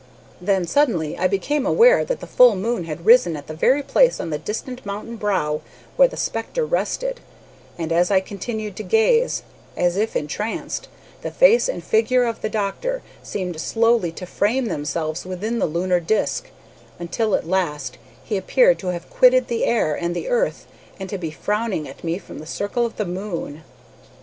"Then, suddenly, I became aware that the full moon had risen at the very place on the distant mountain brow where the spectre rested, and as I continued to gaze, as if entranced, the face and figure of the doctor seemed slowly to frame themselves within the lunar disk, until at last he appeared to have quitted the air and the earth and to be frowning at me from the circle of the moon."